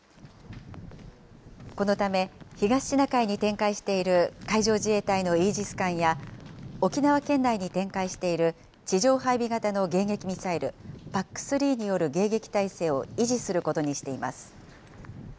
このため、東シナ海に展開している海上自衛隊のイージス艦や、沖縄県内に展開している地上配備型の迎撃ミサイル、ＰＡＣ３による迎撃態勢を維持することにしています。